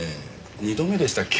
二度目でしたっけ？